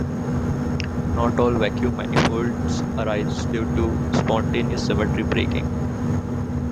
Not all vacuum manifolds arise due to spontaneous symmetry breaking.